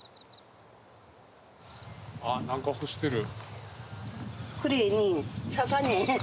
あっ、なんか干してる。